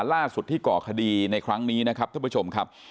ล่าสุดที่ก่อคดีในครั้งนี้นะครับท่านผู้ชมครับ